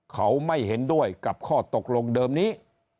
เขาไม่เห็นด้วยกับข้อตกลงเดิมนี้